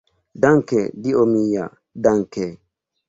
Danke, Dio mia, danke!